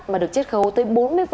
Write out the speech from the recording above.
mà được chết khấu tới bốn mươi